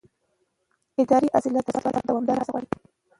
اداري اصلاحات د ثبات لپاره دوامداره هڅه غواړي